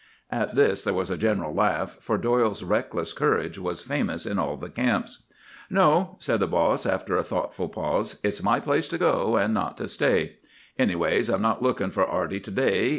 "At this there was a general laugh; for Doyle's reckless courage was famous in all the camps. "'No,' said the boss, after a thoughtful pause; 'it's my place to go, and not to stay. Anyways, I'm not lookin' for Arty to day.